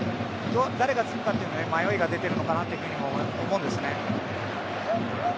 誰が突くかというのに迷いが出ているのかなと思うんですよね。